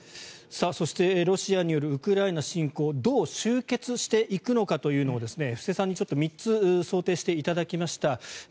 そしてロシアによるウクライナ侵攻どう終結していくかというのを布施さんに３つ想定していただきました。